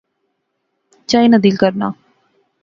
چائی نا دل کرنا